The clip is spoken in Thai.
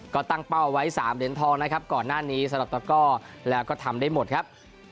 ก็ตั้งเป้าไว้๓เหรียญทองนะครับก่อนหน้านี้สำหรับตะก้อแล้วก็ทำได้หมดครับ